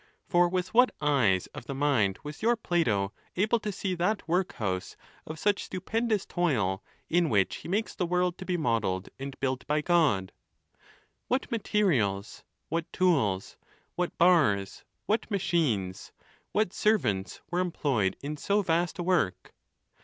For with what eyes of the mind was your Plato able to see that workhouse of such stupendous toil, in which he makes the world to be modelled and built by God? What materials, what tools, what bars, what machines, what ser vants, were employed in so vast a work?